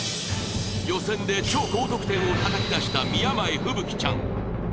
予選で超高得点を叩き出した宮前風吹ちゃん。